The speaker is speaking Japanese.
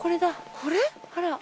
これ？